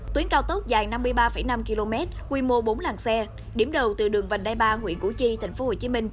tuyến cao tốc dài năm mươi ba năm km quy mô bốn làng xe điểm đầu từ đường vành đai ba huyện củ chi tp hcm